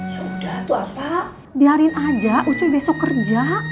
yaudah tuh apa biarin aja ncuy besok kerja